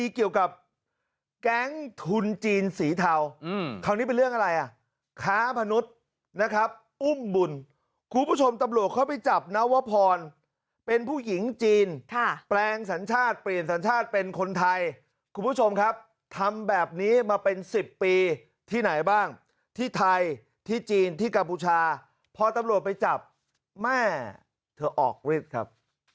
คุณผู้ชมตำรวจเข้าไปจับนัววะพรเป็นผู้หญิงจีนใช่แปลงสัญชาติเปลี่ยนสัญชาติเป็นคนไทยคุณผู้ชมครับทำแบบนี้มาเป็นสิบปีที่ไหนบ้างที่ไทยที่จีนที่กาพูชาพอตำลวจไปจับแม่เธอออกฤทธิ์ครับ